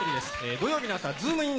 土曜日の朝、ズームイン！！